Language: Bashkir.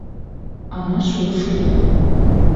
Ана шул-шул!